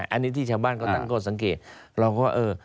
อันนี้ที่ชาวบ้านก็ตั้งต้นสังเกตเราก็อยู่ว่าเออ